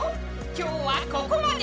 今日はここまで！